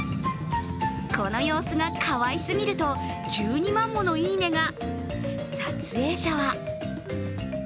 この様子がかわいすぎると、１２万ものいいねが。